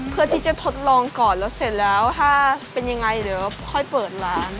เพื่อที่จะทดลองก่อนแล้วเสร็จแล้วถ้าเป็นยังไงเดี๋ยวค่อยเปิดร้าน